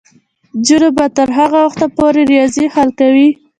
نجونې به تر هغه وخته پورې ریاضي حل کوي.